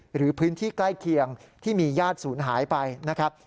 หรือพื้นที่ใกล้เคียงที่มีญาติศูนย์หายไปนะครับ